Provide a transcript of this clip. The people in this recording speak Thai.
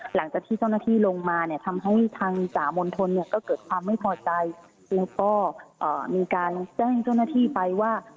หลังจากที่เจ้าหน้าที่ลงมาเนี่ยทำให้ทางสหมนธนเนี่ยก็เกิดความไม่พอใจ